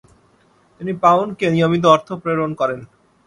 তিনি পাউন্ডকে নিয়মিত অর্থ প্রেরণ করেন।